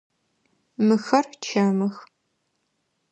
Мыхэр чэмых.